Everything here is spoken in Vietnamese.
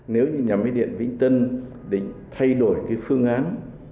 nếu như nhà máy điện vĩnh tân định thay đổi cái phương án